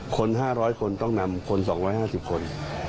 คน๕๐๐คนต้องนำคน๒๕๐คน